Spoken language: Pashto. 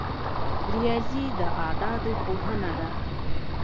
ریاضي د اعدادو پوهنه ده